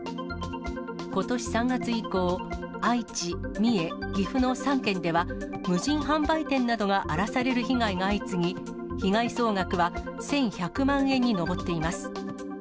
ことし３月以降、愛知、三重、岐阜の３県では、無人販売店などが荒らされる被害が相次ぎ、被害総額は１１００万円に上っています。